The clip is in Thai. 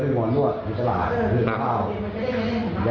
ครับ